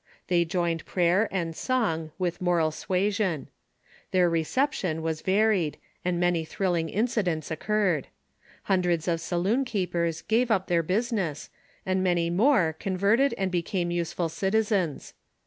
They joined prayer and Women to ^q^„ with moral suasion. Their reception was va the Rescue ^....^ ried, and many thrilling incidents occurred. Hun dreds of saloon keepers gave up their business, and many were converted and became useful citizens.